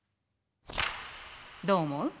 どう思う？